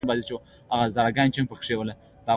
بګۍ بالا حصار ته وخته.